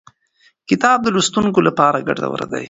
کتاب د لوستونکو لپاره ګټور دی.